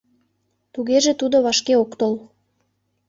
Тугеже тудо вашке ок тол.